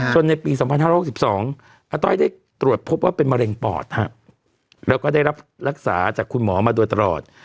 ในปี๒๕๖๒อาต้อยได้ตรวจพบว่าเป็นมะเร็งปอดแล้วก็ได้รับรักษาจากคุณหมอมาโดยตลอด